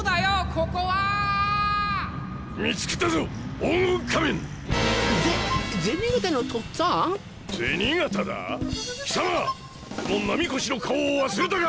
この波越の顔を忘れたか！